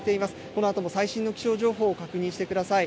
このあとも最新の気象情報を確認してください。